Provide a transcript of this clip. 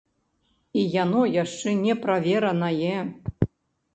І яно яшчэ не праверанае.